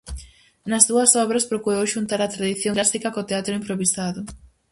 Nas súas obras, procurou xuntar a tradición clásica co teatro improvisado.